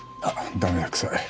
ダメだ臭い。